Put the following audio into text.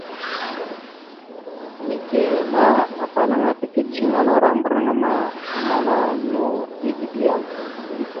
Neke ma, afalaŋa ana taka ceŋelara mbarŋa ma, amala no eveɗe yaw ?